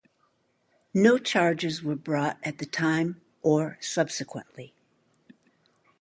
No charges were brought at the time or subsequently.